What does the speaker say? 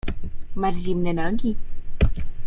Masz zimne nogi.